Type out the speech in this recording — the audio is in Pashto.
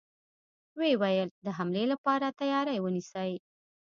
و يې ويل: د حملې له پاره تياری ونيسئ!